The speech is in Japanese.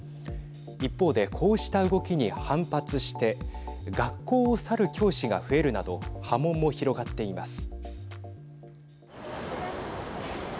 一方で、こうした動きに反発して学校を去る教師が増えるなど波紋も広がっています。